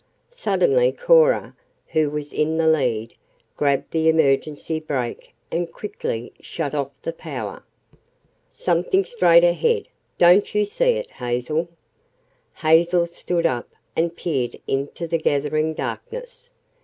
Suddenly Cora, who was in the lead, grabbed the emergency brake and quickly shut off the power. "What's that?" she asked. "Something straight ahead. Don't you see it, Hazel?" Hazel stood up and peered into the gathering darkness.